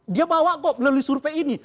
dia bawa kok melalui survei ini